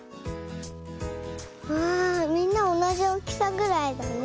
わあみんなおなじおおきさぐらいだね。